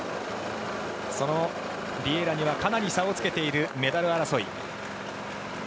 そのビエイラにはかなり差をつけているメダル争い。